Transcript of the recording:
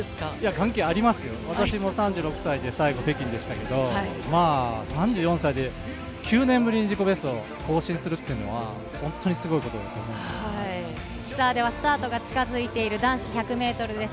関係ありますよ、私も３６歳で最後北京でしたけど、３４歳で９年ぶりに自己ベストを更新するっていうのは本当にすごスタートが近づいている男子１００ｍです。